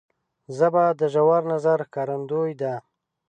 ژبه د ژور نظر ښکارندوی ده